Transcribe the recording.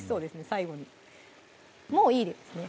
最後にもういいですね